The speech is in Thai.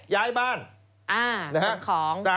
ย้ายบ้าน